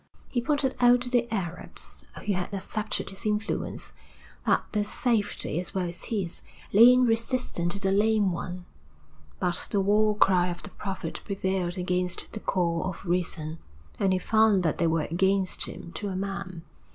He pointed out to the Arabs who had accepted his influence, that their safety, as well as his, lay in resistance to the Lame One; but the war cry of the Prophet prevailed against the call of reason, and he found that they were against him to a man.